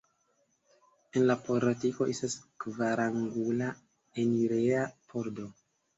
En la portiko estas kvarangula enireja pordo.